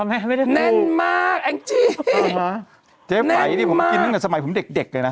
ไม่ได้แน่นมากแองจี้เจ๊ไหมนี่ผมกินตั้งแต่สมัยผมเด็กเด็กเลยนะ